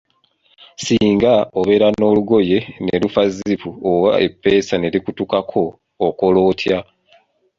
Singa obeera n'olugoye ne lufa zipu oba eppeesa ne likutukako, okola otya?